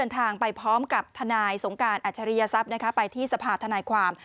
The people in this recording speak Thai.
ทางไปพร้อมกับทนายสงการอัจฉริยศัพย์ไปที่สภาธนายความ